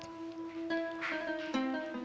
seperti yang dikatakan aki daud